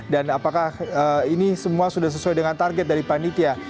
dan apakah ini semua sudah sesuai dengan target dari panitia